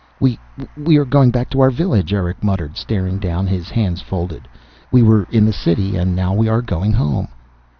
"We we are going back to our village," Erick muttered, staring down, his hands folded. "We were in the City, and now we are going home."